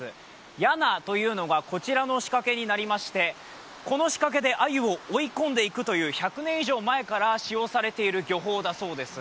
やなというのが、こちらの仕掛けになりましてこの仕掛けでアユを追い込んでいくという１００年以上から使用されている漁法だそうです。